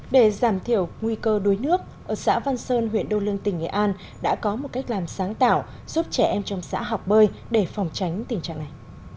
để giảm thiểu nguy cơ đuối nước ở xã văn sơn huyện đô lương tỉnh nghệ an đã có một cách làm sáng tạo giúp trẻ em trong xã học bơi để phòng tránh tình trạng này